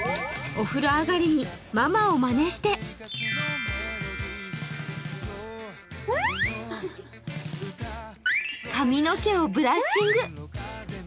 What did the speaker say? お風呂上がりにママをまねして髪の毛をブラッシング。